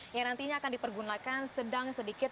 yang nantinya akan dipergunakan sedang sedikit